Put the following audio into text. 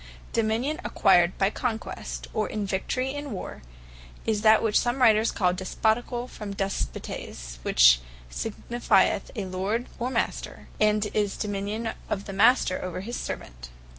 Despoticall Dominion, How Attained Dominion acquired by Conquest, or Victory in war, is that which some Writers call DESPOTICALL, from Despotes, which signifieth a Lord, or Master; and is the Dominion of the Master over his Servant.